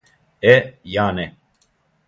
Е, ја не.